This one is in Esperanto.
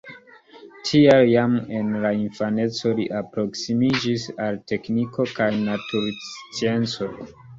Tial jam en la infaneco li alproksimiĝis al tekniko kaj naturscienco.